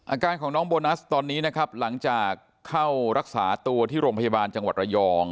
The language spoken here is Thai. อาการของน้องโบนัสตอนนี้นะครับหลังจากเข้ารักษาตัวที่โรงพยาบาลจังหวัดระยอง